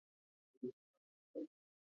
د ابوهريره رضی الله عنه نه روايت دی :